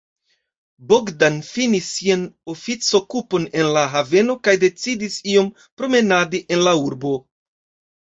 Bogdan finis sian oficokupon en la haveno kaj decidis iom promenadi en la urbo.